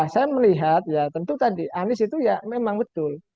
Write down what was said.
saya melihat ya tentu tadi anies itu ya memang betul